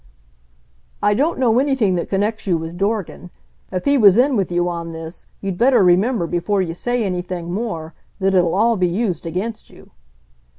"I don't know anything that connects you with Dorgan. If he was in with you on this, you'd better remember, before you say anything more, that it'll all be used against you."